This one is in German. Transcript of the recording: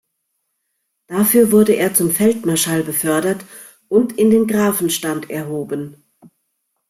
Dafür wurde er zum Feldmarschall befördert und in den Grafenstand erhoben.